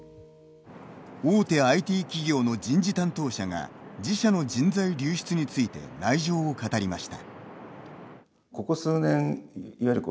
大手ＩＴ企業の人事担当者が自社の人材流出について内情を語りました。